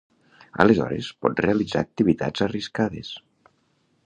Aleshores pot realitzar activitats arriscades.